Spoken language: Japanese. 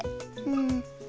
うん。